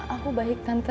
aku baik tante